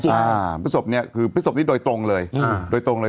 อ่าพฤศพเนี้ยคือพฤศพนี้โดยตรงเลยอ่าโดยตรงเลย